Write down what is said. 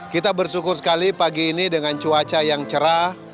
kita bersyukur sekali pagi ini dengan cuaca yang cerah